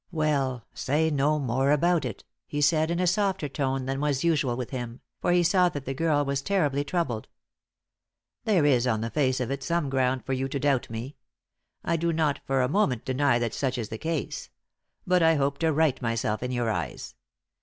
"Well, say no more about it," he said, in a softer tone than was usual with him, for he saw that the girl was terribly troubled. "There is, on the face of it, some ground for you to doubt me. I do not for a moment deny that such is the case. But I hope to right myself in your eyes.